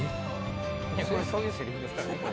そういうセリフですからね。